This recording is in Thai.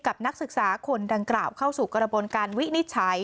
นักศึกษาคนดังกล่าวเข้าสู่กระบวนการวินิจฉัย